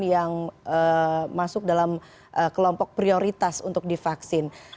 yang masuk dalam kelompok prioritas untuk divaksin